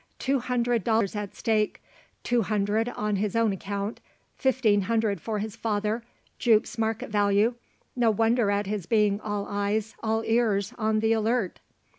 Two hundred dollars at stake two hundred on his own account fifteen hundred for his father Jupe's market value no wonder at his being all eyes, all ears, on the alert!